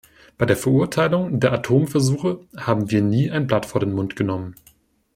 Bei der Verurteilung der Atomversuche haben wir nie ein Blatt vor den Mund genommen.